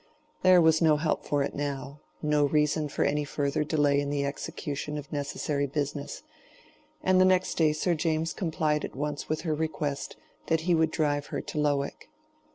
There was no help for it now—no reason for any further delay in the execution of necessary business. And the next day Sir James complied at once with her request that he would drive her to Lowick.